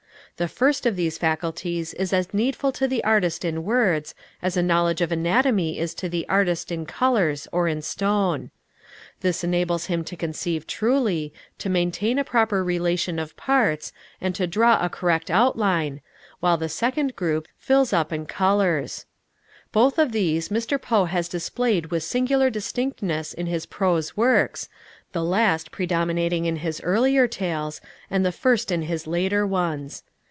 The first of these faculties is as needful to the artist in words, as a knowledge of anatomy is to the artist in colors or in stone. This enables him to conceive truly, to maintain a proper relation of parts, and to draw a correct outline, while the second groups, fills up and colors. Both of these Mr. Poe has displayed with singular distinctness in his prose works, the last predominating in his earlier tales, and the first in his later ones.